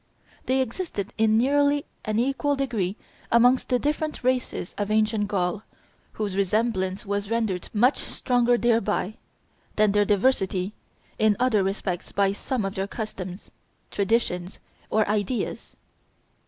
They existed in nearly an equal degree amongst the different races of ancient Gaul, whose resemblance was rendered much stronger thereby than their diversity in other respects by some of their customs, traditions, or ideas.